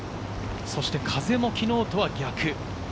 そして風も昨日とは逆。